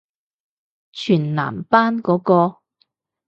全男班嗰個？